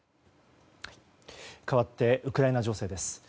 かわってウクライナ情勢です。